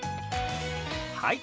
はい。